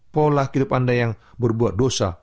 pola hidup anda yang berbuat dosa